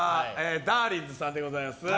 だーりんずさんでございます。